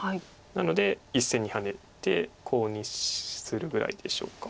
なので１線にハネてコウにするぐらいでしょうか。